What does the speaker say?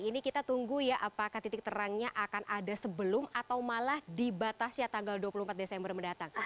ini kita tunggu ya apakah titik terangnya akan ada sebelum atau malah dibatasi tanggal dua puluh empat desember mendatang